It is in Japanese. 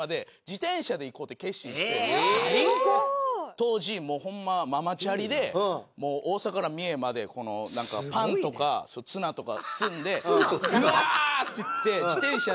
当時もうホンマママチャリで大阪から三重までパンとかツナとか積んでぐわって行って自転車で。